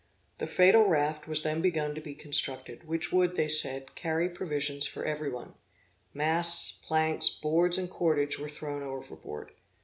The fatal raft was then begun to be constructed, which would, they said, carry provisions for every one. Masts, planks, boards and cordage were thrown overboard.